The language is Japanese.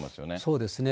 そうですね。